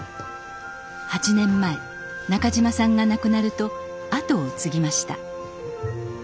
８年前中島さんが亡くなると後を継ぎました。